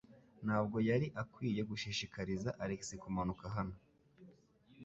Ntabwo yari akwiye gushishikariza Alex kumanuka hano.